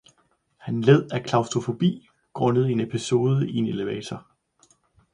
Han led af klaustrofobi grundet en episode i en elevator.